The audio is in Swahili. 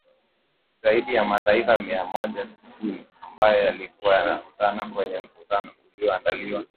zaidi ya mataifa mia moja tisini ambayo yalikuwa yanakutana kwenye mkutano ulioandaliwa